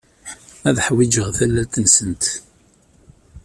Ad ḥwijeɣ tallalt-nsent.